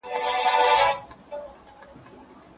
کشپ وژړل چي زه هم دلته مرمه